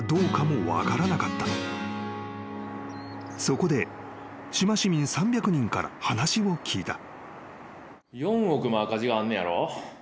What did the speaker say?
［そこで志摩市民３００人から話を聞いた］